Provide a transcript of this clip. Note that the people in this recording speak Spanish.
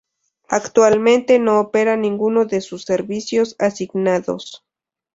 Actualmente no opera ninguno de sus servicios asignados.